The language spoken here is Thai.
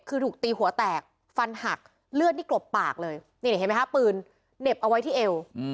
คือถูกตีหัวแตกฟันหักเลือดนี่กลบปากเลยนี่เห็นไหมคะปืนเหน็บเอาไว้ที่เอว